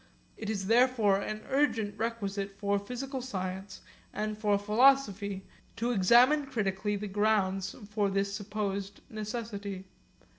It is therefore an urgent requisite for physical science and for philosophy to examine critically the grounds for this supposed necessity.